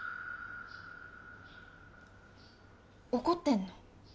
怒ってんの？